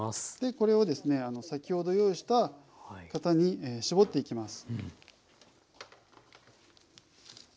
これをですね先ほど用意した型に絞っていきます。